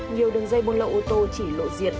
nhiều đường dây buôn lậu ô tô chỉ lộ diệt